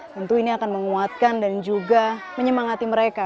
tentu ini akan menguatkan dan juga menyemangati mereka